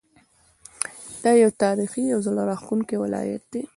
دا یو تاریخي او زړه راښکونکی ولایت دی.